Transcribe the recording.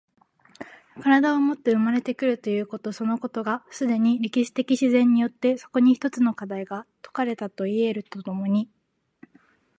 身体をもって生まれて来るということそのことが、既に歴史的自然によってそこに一つの課題が解かれたといい得ると共に